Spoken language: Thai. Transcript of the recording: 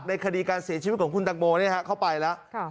คดีการเสียชีวิตของคุณตังโมเข้าไปแล้ว